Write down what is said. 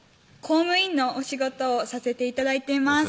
公務員のお仕事をさせて頂いています